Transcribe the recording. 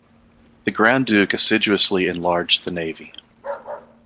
The Grand Duke assiduously enlarged the navy.